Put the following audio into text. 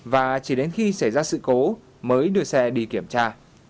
và chỉ đến khi xảy ra sự cố mới đưa xe đi kiểm tra